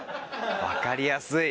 分かりやすい！